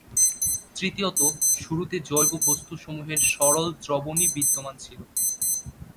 তৃতীয়ত, শুরুতে জৈব বস্তুসমূহের সরল দ্রবণ-ই বিদ্যমান ছিল।